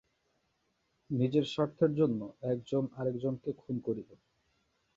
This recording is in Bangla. নিজের স্বার্থের জন্য একজন আর একজনকে খুন করিল।